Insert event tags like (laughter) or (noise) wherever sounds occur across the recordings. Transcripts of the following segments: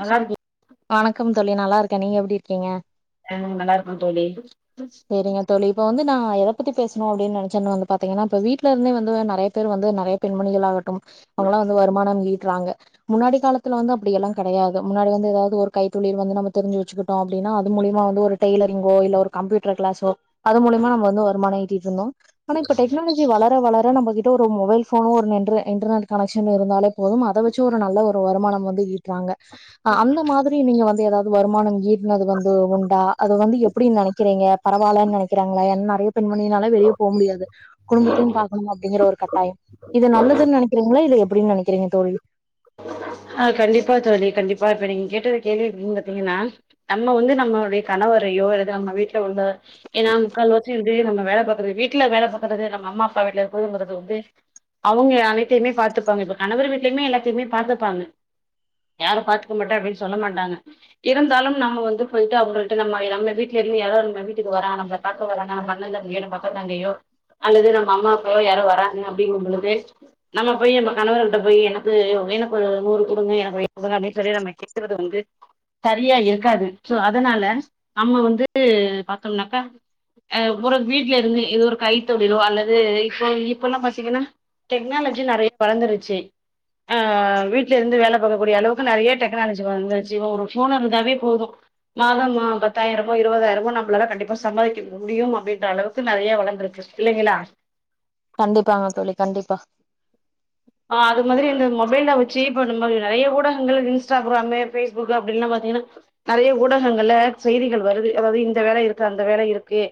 நல்லா இருக்கி வணக்கம் தோழி நல்லா இருக்கே நீங்க எப்டி இருக்கீங்க ஆ நல்லா இருக்கே தோழி செரிங்க தோழி இப்போ வந்து நா எத பத்தி பேசணு அப்டின்னு நெனச்சேன்னு வந்து பாத்தீங்கன்னா இப்ப வீட்ல இருந்தே வந்து நெறைய பேர் வந்து நெறைய பெண்மணிகளாகட்டு அவுங்களா வந்து வருமானம் ஈட்றாங்க முன்னாடி காலத்துல வந்து அப்டிய எல்லா கெடையாது முன்னாடி வந்து எதாவது ஒரு கைத்தொழில் வந்து நம் தெரிஞ்சு வச்சு கிட்டோ அப்டினா அது மூலியமா வந்து ஒரு டெய்லரிங்கோ இல்ல ஒரு கம்ப்யூட்டர் கிளாஸோ அது மூலியமா நம்ம வந்து வருமான ஈட்டிட்டு இருந்தோ ஆனா இப்ப டெக்னால ஜி வளர வளர நம்மகிட்ட ஒரு மொபைல் ஃபோனு ஒரு நென்டரெ இன்டர்நெட் கனெக்க்ஷன் இருந்தாலே போதும் அத வச் சு ஒரு நல்ல ஒரு வருமானம் வந்து ஈட்டுறாங்க அ அந்த மாதி ரி நீங்க வந்து எதாவது வருமானம் ஈட்டுனது வந்து உண்டா அத வந்து எப்டின்னு நெனைக்கிறீங்க பரவால்லன்னு நெனக்கிறாங்களா ஏனா நெறய பெண்மணினால வெளிய போ முடியாது குடும்பத்தையு பாக்கணு அப்டிங்கிற ஒரு கட்டாயோ இத நல்லதுன்னு நெனைக்கிறீங்களா இல்ல எப்டின்னு நெனைக்கிறீங்க தோழி ஆ கண்டிப்பா தோழி கண்டிப்பா இப்ப நீங்க கேட்டது கேள்விய இப்ப நீங்க எப்டின்னா நம்ம வந்து நம்மளுடைய கணவரையோ அல்லது நம்ம வீ ட்ல உள்ள ஏனா முக்கால் வாசி வந்து நம்ம வேல பாக்குறது வீட் ட்ல வேல பாக்குறது நம்ம அம்மா அப்பா வீட்ல தூங்குறது வந்து அவுங்க அனைத்தையுமே பாத்துப்பாங்க இப்ப கணவர் வீட்லயுமே எல்லாத்தையுமே பாத்துப்பாங்க யாரு பாத்துக்க மாட்டே அப்டின்னு சொல்ல மாட்டாங்க இருந்தாலு நம்ம வந்து போயிட்டு அவுங்க கிட்ட நம்ம நம்ம வீட்ல இருந்து எதோ நம்ம வீட்டுக்கு வரா நம்ப பாக்க வராங்க அவுங்க அண்ணே தம்பியோ நம்ம அக்கா தங்கையோ அல்லது நம்ம அம்மா அப்பாவோ யாரோ வராங்க அப்படிங்கு பொழுது நம்ம போய் நம்ம கணவர்கிட்ட போய் என்ன து எனக்கு ஒரு நூறு குடுங்க எனக்கு ஒய்ஃப் களா அப்டின்னு சொல்லி நம்ம கேக்குறது வந்து சரியா இருக்காது சோ அதனால நம்ம வந்து பாத்தோம்னாக்க அ ஒரு வீட்ல இருந்து இது ஒரு கை தொழிலோ அல்லது இப்போ இப்பல்லா பாத்தீங்கன்னா டெக்னாலஜி நெறயா வளந்துருச்சு ஆ வீட்ல இருந்து வேல பாக்க கூடிய அளவுக்கு நெறய டெக்னாலஜி வளந்துடுச்சு இப்ப ஒரு ஃபோன் இருந்தாவே போது மாதமா பத்தாயிரமோ இருவதாயிரமோ நம்மளால கண்டிப்பா சம்பாதிக்க முடியு அப்டின்ற அளவுக்கு நெறயா வளந்துருக்கு சு இல்லைங்களா கண்டிப்பாங்க தோழி கண்டிப்பா ஆ அது மாதிரி இந்த மொபைல்ல வச்சு இப்ப நம்ம நெறைய ஊடங்கள் இன்ஸ்டாகிராமு ஃபேஸ்புக்கு அப்டின்லா பாத்தீங்கன்னா நெறய ஊடகங்கள்ல செய்திகள் வருது அதாவது இந்த வேல இருக்கு அந்த வேல இருக்கு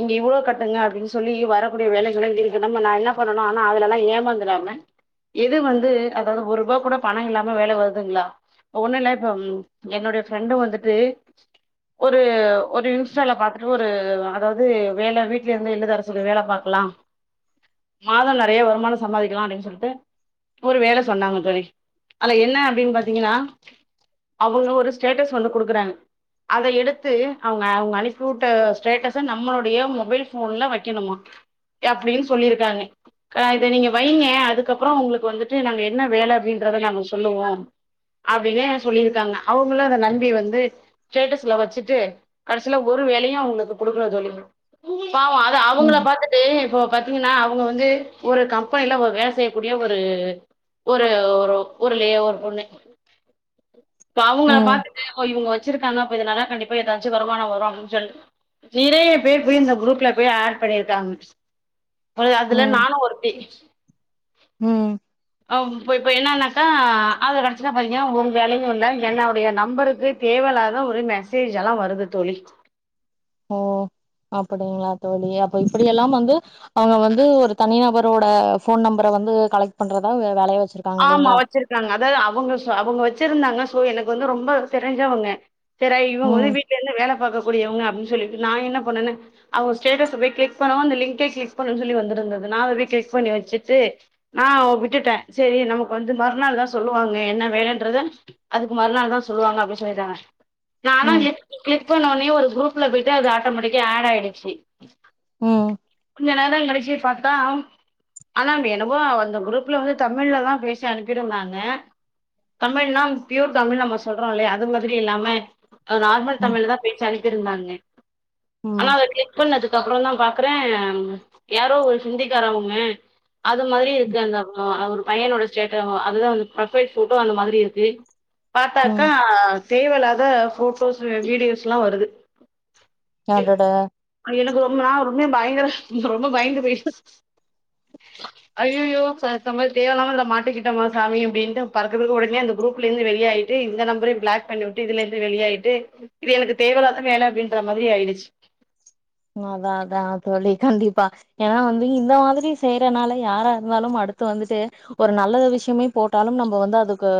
இங்க இவ்ளோ கட்டுங்க அப்டின்னு சொல்லி வரக்கூடிய வேலைகள்ள இருக்கு நம்ம நா என்ன பண்ணனு ஆனா அதுலல்லா ஏமாந்துறாம எது வந்து அதாவது ஒர் ரூபா கூட பணோ இல்லாம வந்து வேல வருதுங்களா ஒண்ணுல்ல இப்ப என்னுடைய ஃப்ரெண்டு வந்துட்டு ஒரு ஒரு இன்ஸ்டால பாத்துட்டு ஒரு அதாவது வேல வீட்ல இருந்து இல்லத்தரசிகள் வேல பாக்கலா மாத நெறைய வருமானோ சம்பாதிக்கலா அப்டின்னு சொல்ட்டு ஒரு வேல சொன்னாங்க தோழி அல என்ன அப்டினு பாத்தீங்கன்னா அவுங்க ஒரு ஸ்டேட்டஸ் வந்து குடுக்குறாங்க அத எடுத்து அவுங்க அவுங்க அனுப்பி வுட்ட ஸ்டேட்டஸ நம்மளுடைய மொபைல் ஃபோன்ல வைக்கணுமா க அப்டின்னு சொல்லிருக்காங்க க இத நீங்க வைங்க அதுக்கப்பறோ உங்களு வந்துட்டு நாங்க என்ன வேல அப்டின்றத நாங்க சொல்லுவோ அப்டின்னு சொல்லிருக்காங்க அவுங்களு அத நம்பி வந்து ஸ்டேட்டஸ்ல வச்சுட்டு கடசில ஒரு வேலையு அவுங்களுக்கு குடுக்கல தோழி பாவோ அ த அவுங்கள ம். பாத்துட்டு இப்ப பாத்தீங்கன்னா அவுங்க வந்து ஒரு கம்பெனில ஒரு வேல செய்யக்கூடிய ஒரு ஒரு ஒரு ஒரு ஊருலயே ஒரு பொண்ணு இப்ப அவுங்க ம். பாத்துட்டு ஓ இவுங்க வச்சிருக்காங்க அப்ப இதனால கண்டிப்பா எதாச்சு வருமானோ வரு அப்டின்னு சொல் நேறைய பேர் போய் இந்த குரூப்ல போய் ஆட் பண்ணிருக்காங்க அ அதுல ம். நானு ஒருத்தி ம் இ இப்ப என்னனாக்கா அத கடசில பாத்தீங்கனா ஒரு வேலயு இல்ல என்னோடய நம்பருக்கு தேவையில்லதலா ஒரே மெசேஜ் எல்லா வருது தோழி ஓ அப்படிங்களா தோழி அப்ப இப்படில்லா வந்து அவங்க வந்து ஒரு தனிநபரோட போன் நம்பரை வந்து கலெக்ட் பண்றதா வேலயா வச்சிருக்க ஆமா வச்சிருக்காங்க அதாவது அவுங்க அவுங்க வச்சிருந்தாங்க சோ எனக்கு வந்து ரொம்ப தெரிஞ்சவங்க (unintelligible) இவுங்க ம். வீட்டுல இருந்து வேல பாக்க கூடியவங்க அப்டினு சொல்லிட்டு நா என்ன பண்ணுனெ அவுங்க ஸ்டேட்டஸ் போய் கிளிக் பண்ணவு அந்த லிங்கே கிளிக் பண்ணனு சொல்லி வந்திருந்தது நான்வே களிக் பண்ணி வச்சிட்டு நா விட்டுட்டே சேரி நமக்கு வந்து மறுநாள் தா சொல்லுவாங்க என்ன வேலன்றத அதுக்கு மறுநாள் தா சொல்லுவாங்க அப்டினு சொல்லிட்டாங்க நான ம். லிங் கிளிக் பண்ணோடனே ஒரு குரூப்ல போய்ட்டு அது ஆட்டோமெட்டிக்கா ஆட ஆயிடுச்சு ம்ம் கொஞ்சோ நேர கழிச்சு பாத்தா ஆ ஆனா என்னவோ அந்த குரூப்ல வந்து தமிழ்லதா பேசி அனுப்பி இருந்தாங்க தமிழ்னா பியூர் தமிழ் நம்ம சொல்றோ இல்லய அது மாரி இல்லாம நார்மல் தமிழ்ல தா பேச்சு அனுப்பிருந்தாங்க ஆனா ம். அத (unintelligible) பண்ணது அதுக்கப்புற தா பாக்குறே யாரோ ஒரு ஹிந்திக்காரவுங்க அது மாரி இருக்கு அந்த அவரு பையனோட சேட்ட அதுதா வந்து ப்ரொபைல் போட்டோ அந்த மாரி இருக்கு ம். பாத்தாக்கா தேவயில்லாத போட்டோஸ் வீடியோஸ்ல வருது தாங்கட எனக்கு ரொம்ப நா ரொம்ப பயங்கர ரொம்ப பயந்து போய்ட்ச்சு ஐயயோ சா நம்ம தேவையில்லா மாட்டிக்கிட்டோமா சாமி அப்டினு பறக்கபறக்க ஒடனே அந்த குரூல இருந்து வெளியாயிட்டு இந்த நம்பரை பிளாக் பண்ணி இதுல இருந்து வெளியாயிட்டு இது எனக்கு தேவயிலாதா வேல அப்டின்ற மாரி ஆயிடுச்சு அதா அதா சொல்லி கண்டிப்பா ஏன்னா வந்து இந்த மாரி செய்யறனால யாரா இருந்தாலு அடுத்து வந்துட்டு ஒரு நல்ல விஷயமே போட்டாலு நம்ம வந்து அதுக்கு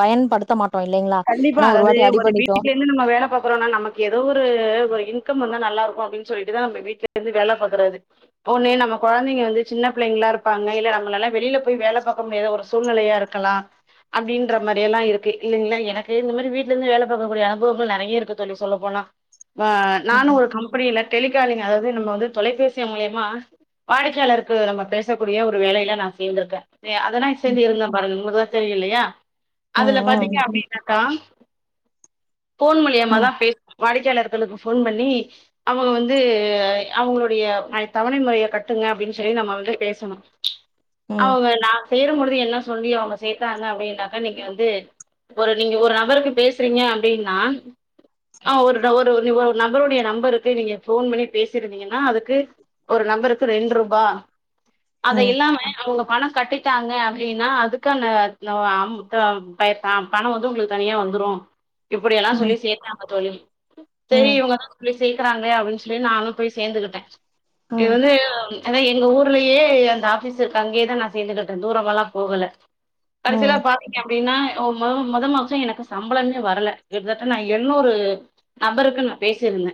பயன்படுத்த மாட்டோ இல்லிங்களா ஏன்னா ஒரு வாட்டி அடி பட்டுடோ இன்னு நம்ம வேல பாக்றோம்னா நமக்கு ஏதோ ஒரு இன்கம் வந்து நல்லாருக்கு அப்டினு சொல்லிட்டுதா நம் வீ்ட்ல இருந்து வேலபாக்குறது ஒண்ணு நம்ம குழந்தைங்க வந்து சின்ன பிள்ளைங்களா இருப்பாங்க இல்ல நம்மளல்லா வெளில போய் வேல பாக்க முடியாத ஒரு சூழ்நெலயா இருக்கு இருக்கலா அப்டின்ற மாரி எல்லா இருக்கு இல்லிங்களா இந்த மாரி வீட்டுல இருந்து வேல பாக்கக்கூடிய அனுபவங்கள் நெறய இருக்கு தோழி சொல்ல போனா நானு ம் ஒரு கம் அப்டில்ல டெலிகாலிங் அதாவது நம்ம வந்து தொலைபேசி மூலியமா வாடிக்கையாளருக்கு நம்ம பேசக்கூடிய ஒரு வேலயில நா சேந்திருக்கே அதெல்லா செஞ்சுகிட்ருந்தே பாருங்க உங்களுக்கு எல்லா தெரியலயா ம் அதுல பாத்தீங்க ம் அப்டினாக்கா போன் மூலியமா ம் தா பேச வாடிக்கையாளர்களுக்கு போன் பண்ணி அவுங்க வந்து அவுங்களுடைய தவணை முறையை கட்டுங்க அப்டினு சொல்லி நம்ம வந்து பேசணு ம் அவுங்க நா சேருபொழுது என்ன சொல்லி அவுங்க சேத்தாங்க அப்டின்னாக்கா நீங்க வந்து ஒரு நீங்க ஒரு அவருக்கு பேசுறீங்க அப்டினா ஆஹ ஒரு ஒரு நபருடைய நம்பருக்கு நீங்க போன் பண்ணி பேசிருந்தீங்கன்னா அதுக்கு ஒரு நம்பருக்கு ரெண் ரூபா அத ம் இல்லாம அவுங்க பணம் கட்டிட்டாங்க அப்டின்னா அதுக்கு அ நோ ஆம் தம் தய் தாம் பணம் வந்து உங்களுக்கு தனியா வந்துரும் இப்டி எல்லா சொல்லி ம் சேத்தாங்க தோழி சரி ம் இவுங்கசொல்லி சேக்றாங்களே அப்டினு சொல்லி நானு போய் சேந்துக்கிட்டே இப்ப ம் வந்து அதா எங்க ஊர்லயே அந்த ஆபீஸ் இருக்கு அங்கயே தா நா சேந்துகிட்டே தூரமால்லா போகல கடசில ம் பாத்தீங்க அப்டின்னா மொ மொத மாசோ எனக்கு சம்பளமே வரல கிட்டத்தட்ட நான் எழ்நூரு நபருக்கும் நா பேசிருந்தே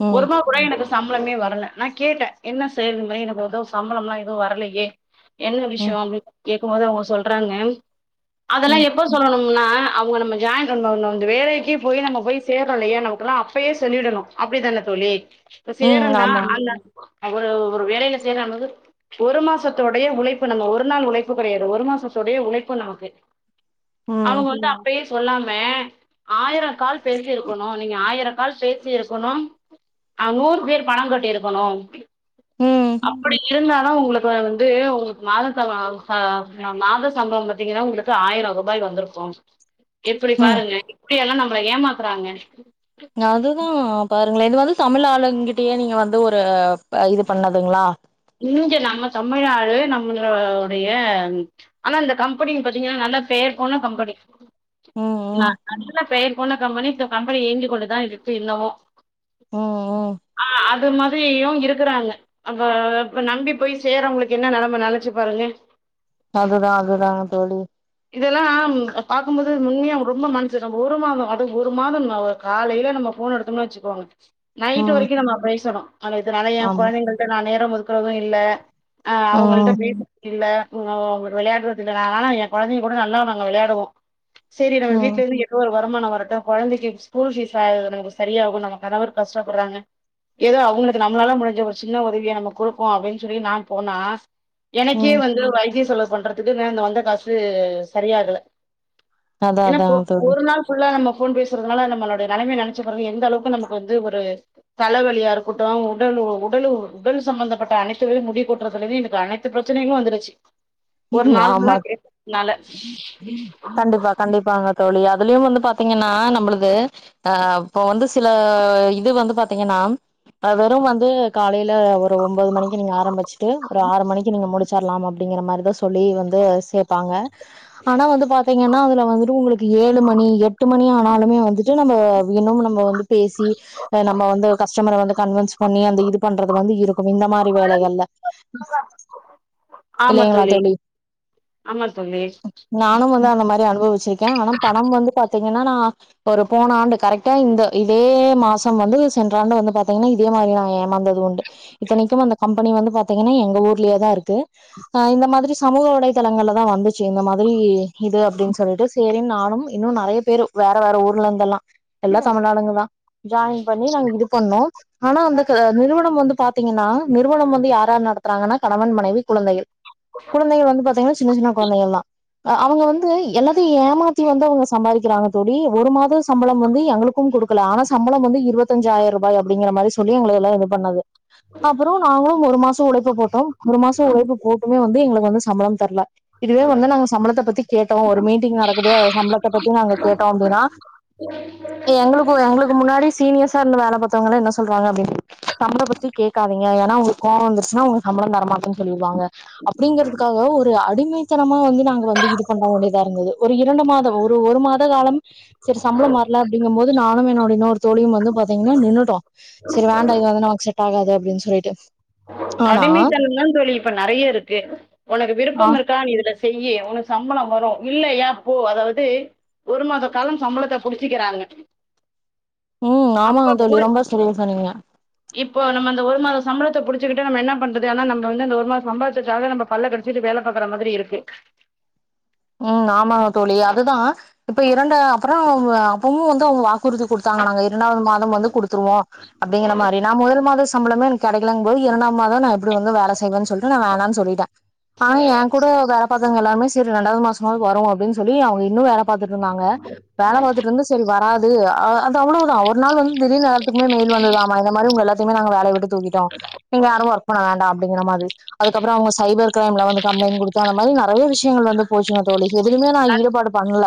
ம் ஒருபா பாகூட எனக்கு சம்பளமே வரல நாகேட்டே என்ன செய்றது இதுமேரி எனக்கு எதோ சம்பளம்லா ஏதும் வரலயே என்ன ம் விஷயம் அப்டினு கேக்குபோது அவுங்க சொல்றாங்க அதெல்லா ம் எப் எப்ப சொல்லணும்னா அவுங்க நம்ம ஜாயின் கொங் கொங் கொங் வேலைக்கே போய் நம்ம போய் சேர்றோ இல்லயா நமக்குல்லா அப்பயே சொல்லிடணு அப்டிதானே தோழி இப்ப ம் சேறன்னா ஆமா அல்ல அவ ஒரு வேலயில சேரானது ஒரு மாசத்தோடைய உழைப்பு நம்ம ஒரு நாள் உழைப்பு கொறையது ஒரு மாசதோடைய உழைப்பு நமக்கு ம் அவுங்க வந்து அப்பயே சொல்லாம ஆயிரங்கால் பேசிருக்கணு நீங்க ஆயிரங் கால் பேசி இருக்குணும் அ நூறு பேர் பணம் கட்டிருக்கணும் ம் அப்டி இருந்தாதா ஒங்குளுக்கு வந்து ஒங்குளுக்கு மாத சம் ச மாத சம்பளம் பத்தீங்கன்னா ஒங்க ளுக்கு ஆயிரம் ரூபாய் வந்துருக்கும் எப்டி ம் பாருங்க இப்பிடியெல்லா நம்பள ஏமாத்துறாங்க அதுதான் பாருங்களே இது வந்து தமிழ் ஆளுங்கிட்டயே நீங்க வந்து ஒரு இது பண்ணதுங்களா இங்க நம்ம தமிழ்நாடு நம்மளோடைய ஆனா இந்த கம்பெனின் பத்தீங்கன்னா நல்ல பேர் போன கம்பெனி ம் ந ம் நல்ல பெயர் போன கம்பெனி இப்ப கம்பெனி இயங்கிக் கொண்டுதா இருக்கு இன்னமு ம் ம் அ அது மாதிரியு இருக்குறாங்க அப்ப அப்ப நம்பி போய் சேர்ரவுங்களுக்கு என்ன நெலம நெனச்சு பாருங்க அதுதா அதுதா தோழி இதலாம் பாக்கும்போது உண்மையா ரொம்ப மனசுக் ஒரு மாதம் அது ஒரு மாதம் ந காலைல நம்ம ஃபோன் எடுத்தோம்னு வச்சுக்கோங்க நைட் ம் வரைக்கும் நம்ம பேசணு ஆன இதுனால ஆமா ஏங்கொழந்தைங்கள்ட்ட நா நேரம் ஒதுக்குறது இல்ல அ அவுங்கள்ட்ட ம் பேச றது இல்ல ஒங்க ஒங்களுக்கு வெளையாடுறதுக்கு நால்லனா ஏங் கொழந்தைங்க கூட நல்லா நாங்க வெளையாடுவோ சேரி நம்ம ம் வீட்லேர்ந்து எப்ப வரும் வருமானம் வரட்டும் கொழந்தைக்கி ஸ்கூல் ஃபீஸ் ஆயிது நமக்கு சரியாகும் நம்ம கணவர் கஷ்டபட்றாங்க எதோ அவுங்குளுக்கு நம்மளால முடிஞ்ச ஒரு சின்ன உதவிய நம்ம குடு கோ அப்பிடின் சொல்லி நாம்போனா எனக்கே ம் வந்து வைத்திய செலவு பண்றத் துக்கு வந்த காசு சரியாகல அதா ஏனா ஒ அதாங்க தோழி ஒரு நாள் ஃபுல்லா நம்ம ஃபோன் பேசுறதுனால நம்மளோடைய நெலமைய நெனச்சு பாருங்க எந்தளவுக்கு நமக்கு வந்து ஒரு தலைவலியா இருக்கட்டும் உடல் உடல் உடல் சம்பந்தம் பட்ட அனைத்துவையு முடி கொட்டுறதுலேந்து எனக்கு அனைத்து பிரச்சனைகளும் வந்துருச்சி ஒரு நாள் ஆமா புல்லா பேசுறதுனால கண்டிப்பா கண்டிப்பாங்க தோழி அதுலயும் வந்து பாத்தீங்கன்னா நம்புளுது அ இப்ப வந்து சில இது வந்து பாத்தீங்கன்னா அவரும் வந்து காலைல ஒ ஒரு ஒன்போது மணிக்கு நீங்க ஆரம்பிச்சுட்டு ஒரு ஆறு மணிக்கு நீங்க முடிச்சர்லாம் அப்டிங்கற மாரிதான் சொ சொல்லி வந்து சேப்பாங்க ஆனா வந்து பாத்தீங்கன்னா அதுல வந்துட்டு ஒங்குளுக் ஏழு மணி எட்டு மணி ஆனாலுமே வந்துட்டு நம்ம இன்னமு நம்ம வந்து பேசி நம்ம வந்து கஸ்டமரை வந்து கன்வின்ஸ் பண்ணி அந்த இது பண்றது வந்து இருக்கு இந்த மார் ந்த வேலைகள்ல இல்லைங்ளா தோழி ஆமா தோழி நானும் வந்து அந்த மாரி அனுபவிச்சிருக்கே ஆனா பணம் வந்து பாத்தீங்கன்னா நா ஒரு போன ஆண்டு கரெக்டா இந்த இதே மாசம் வந்து சென்ற ஆண்டு வந்து பாத்தீங்கன்னா இ தே மாரி நாங்க ஏமாந்தது உண்டு இத்தனைக்கும் அந்த கம்பெனி வந்து பாத்தீங்கன்னா எங்க ஊர்லெயே தா இருக்கு அ இந்த மாதிரி சமூக வலைதளங்கள்ளதா வந்துச்சு இந்த மாதிரி இது அப்டின் சொல்ட்டு சேரின் நானும் இன்னு நெறையப் பேரு வேற வேற ஊர்லர்ந்தெல்லா எல்லா தமிழ் ஆளுங்கதா ஜாயின் பண்ணி நாங்க இது பண்ணோ ஆனா அந்த க நிறுவனம் வந்து பாத்தீங்கன்னா நிறுவனம் வந்து யாரார் நடத்துறாங்கன்னா கணவன் மனைவி குழந்தைகள் குழந்தைகள் வந்து பாத்தீங்கன்னா சின்ன சின்ன குழந்தைகள்தா ஆ அவுங்க வந்து எல்லாத்தையு ஏமாத்தி வந்து அவுங்க சம்பாதிக்கிறாங்க தோழி ஒரு மாத ஸ் சம்பளம் வந்து எங்குளுக்கும் குடுக்கல ஆனா சம்பளம் வந்து இருவத்தஞ்சாயிரரூபாய் அப்டிங்கற மாரி சொல்லி எங்களையெல்லா இது பண்ணது அப்பறே நாங்களும் ஒரு மாசம் உழைப்பு போட்டோம் ஒரு மாசோ உழைப்பு போட்டுமே வந்து எங்களுக்கு வந்து சம்பளம் தர்ல இதுவே வந்து நாங்க சம்பளத்த பத்தி கேட்டோ ஒரு மீட்டிங் நடக்குது அது சம்பளத்த பத்தி நாங்க கேட்டோ அப்டினா எங்குளுக்கு எங்குளுக்கு முன்னாடி சீனியர்ஸாருந்து வேல பாத்தவங்கலா என்ன சொல்றாங்க அப்டின் சம்பளம் பத்தி கேக்காதீங்க ஏனா அவுங்குளுக் கோவோ வந்துருச்சுனா ஒங்க சம்பளம் தரமாட்டேன் சொல்லிருவாங்க அப் பிடிங்கறதுக்காக ஒரு அடிமைத்தனமா வந்து நாங்க வந்து இது பண்ண வேண்டியதாருந்தது ஒரு இரண்டு மாதம் ஒரு ஒரு மாத காலம் சரி சம்பளம் வர்ல அப்டிங்கம் போது நானும் என்னோட இன்னோரு தோழியும் வந்து பாத்தீங்கன்னா நின்னுட்டோ சரி வேண்டா இது வந்து நமக்கு செட்டாகாது அப்டின் சொல்லிட்டு ஆனா அடிமைத்தனம்தா தோழி இப்ப நெறைய இருக்கு உனக்கு ஆ விருப்பம் இருக்கா நீ இதுல செய்யி உனக்கு சம்பளம் வரு இல்லையா போ அதாவ்து ஒரு மாத காலம் சம்பளத்த புடிச்சுக்கிறாங்க ம் ஆமாங்க தோழி ரொம்ப செரியா சொன்னீங்க இப்போ நம்ம அந்த ஒரு மாத சம்பளத்த புடிச்சுக்கிட்டு நம்ம என்ன பண்றது ஆனா நம்ம வந்து அந்த ஒரு மாத சம்பளத்துக்காக நம்ம பல்ல கடிச்சுக்கிட்டு வேல பாக்குற மாதிரி இருக்கு ம் ஆமாங்க தோழி அதுதா இப்ப இரண்டு அப்புற அப்பமு வந்து அவங்க வா க்குறுதி குடுத்தாங்க நாங்க இரண்டாவது மாதம் வந்து குடுத்துருவோ அப்டிங்கற மாரி நா முதல் மாத சம்பளமே கெடைக்கலங்கும் போது இரண்டாம் மாதம் நா எப்டி வந்து வேல செய்வேன் சொல்ட்டு நா வேணான்னு சொல்லிட்டே ஆனா எங் கூட வேல பாக்றவங்க எல்லருாமே செரி ரெண்டாவது மாசமாவது வரு அப்டின்னு சொல்லி அவங்க இன்னு வேல பாத்துட்டுருந்தாங்க வேல பாத்துட்டு இருந்த செரி வராது அ அது அவ்ளோதா ஒரு நாள் வந்து திடீர்னு எல்லாத்துக்குமே மெயில் வந்துதாமா இந்த மாரி உங்கள எல்லாத்தயுமே நாங்க வேலைய விட்டு தூக்கிட்டோ நீங்க யாரு ஒர்க் பண்ண வேண்டா அப்டிங்குற மாரி அதுக்கப்பறோ சைபர் அவங்க கிரைம்ல வந்து கம்ப்ளைண்ட் குடுத்து அந்த மாரி நெறைய விஷயங்கள் வந்து போச்சுங்க தோழி எதுலயுமே நா ஈடுபாடு பண்ணல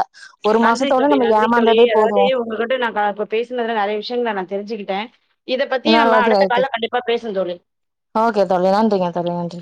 ஒரு நன்றி மாசத்தோட தோழி நம்ம நன்றி தோழி. ஏமாந்ததே போது அதாவது உங்ககிட்ட நான் க இப்ப பேசுனதுல நெறைய விஷயங்கள நா தெரிஞ்சுக்கிட்டே இத பத்தி இன்னொரு நம்ம அடுத்த வாட்டி கால்ல கண்டிப்பா பேசுவோ தோழி ஓகே தோழி நன்றிங்க தோழி நன்றி